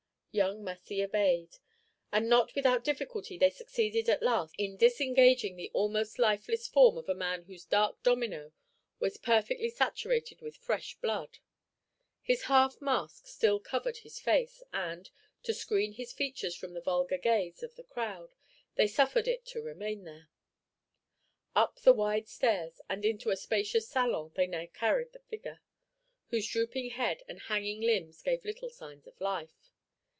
Young Massy obeyed, and not without difficulty they succeeded at last in disengaging the almost lifeless form of a man whose dark domino was perfectly saturated with fresh blood; his half mask still covered his face, and, to screen his features from the vulgar gaze of the crowd, they suffered it to remain there. Up the wide stairs and into a spacious salon they now carried the figure, whose drooping head and hanging limbs gave little signs of life.